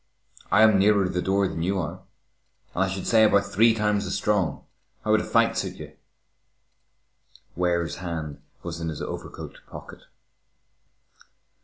I am nearer the door than you are, and I should say about three times as strong. How would a fight suit you?" Ware's hand was in his overcoat pocket.